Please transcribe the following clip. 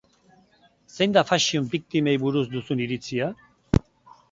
Zein da fashion victim-ei buruz duzun iritzia?